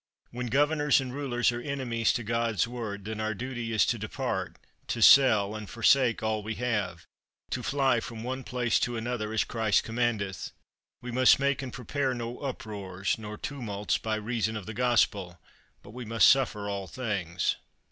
When governors and rulers are enemies to God's Word, then our duty is to depart, to sell and forsake all we have, to fly from one place to another, as Christ commandeth. We must make and prepare no uproars nor tumults by reason of the Gospel, but we must suffer all things.